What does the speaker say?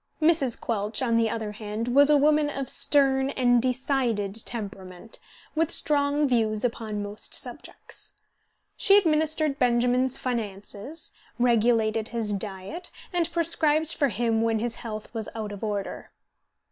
Mrs. Quelch, on the other hand, was a woman of stern and decided temperament, with strong views upon most subjects. She administered Benjamin's finances, regulated his diet, and prescribed for him when his health was out order.